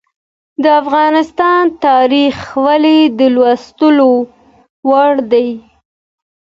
د افغانستان تاریخ ولې د لوستلو وړ دی؟